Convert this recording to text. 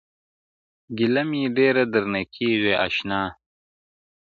ګیله مي ډېره درنه کيږي آشنا-